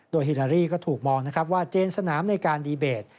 โดยฮิลาลีก็ถูกมองว่าเจนสนามในการดีเบต